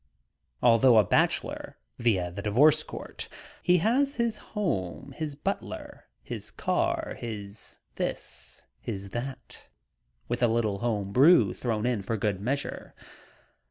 Although a bachelor via the divorce court, he has his "home," his butler, his car, his this, his that, with a little home brew thrown in for good measure.